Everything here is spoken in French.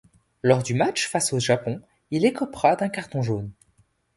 Lors du match face au Japon, il écopera d'un carton jaune.